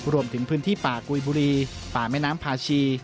รวมถึงพื้นที่ป่ากุยบุรีป่าแม่น้ำพาชี